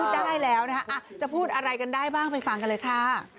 ได้แล้วนะคะจะพูดอะไรกันได้บ้างไปฟังกันเลยค่ะ